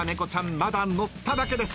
まだ乗っただけです。